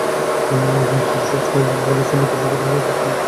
এরপর অসুস্থ হয়ে পড়লে তাঁকে স্থানীয় কেশবপুর স্বাস্থ্য কমপ্লেক্সে ভর্তি করা হয়।